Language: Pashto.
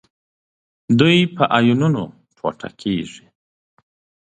دوی په آیونونو ټوټه کیږي.